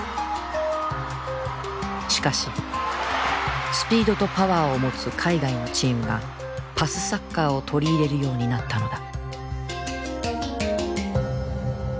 しかしスピードとパワーを持つ海外のチームがパスサッカーを取り入れるようになったのだ。